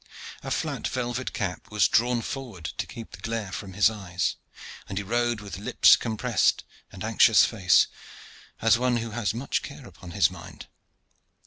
A flat velvet cap was drawn forward to keep the glare from his eyes, and he rode with lips compressed and anxious face, as one who has much care upon his mind.